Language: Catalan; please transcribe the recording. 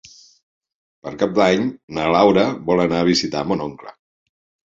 Per Cap d'Any na Laura vol anar a visitar mon oncle.